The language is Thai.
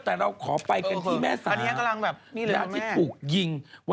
แต่เราขอไปกันที่แม่สา